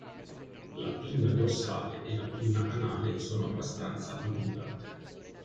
La pinna dorsale e la pinna anale sono abbastanza allungate.